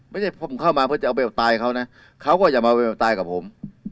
ไม่ใช่ผมเข้ามาเพื่อจะเอาไปตายเขานะเขาก็อย่ามาตายกับผม